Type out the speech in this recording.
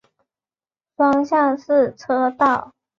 双向四车道。